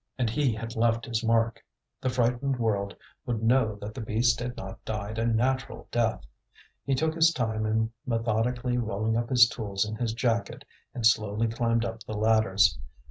And he had left his mark; the frightened world would know that the beast had not died a natural death. He took his time in methodically rolling up his tools in his jacket, and slowly climbed up the ladders.